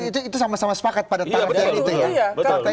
itu sama sama sepakat pada partai itu ya